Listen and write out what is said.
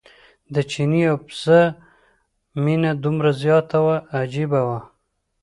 د چیني او پسه مینه دومره زیاته وه عجیبه وه.